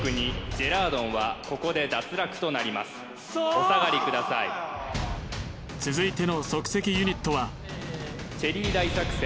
ジェラードンはここで脱落となりますお下がりください続いての即席ユニットはチェリー大作戦